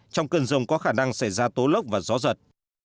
trong cơn rông có khả năng xảy ra tố lốc và gió giật